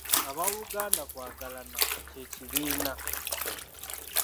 Abooluganda kwagalana kye kibiina.